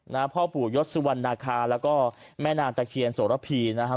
นะฮะพ่อผู้ยกศ์สุวรรณคาแล้วก็แม่นางใจเฮียมโสรพีนะฮะ